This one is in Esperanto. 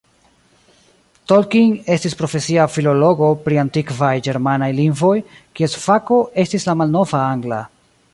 Tolkien estis profesia filologo pri antikvaj ĝermanaj lingvoj, kies fako estis la malnova angla.